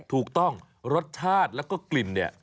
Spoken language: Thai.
ถูกต้องรสชาติแล้วก็กลิ่นเนี่ย